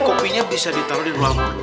kopinya bisa ditaruh di ruangan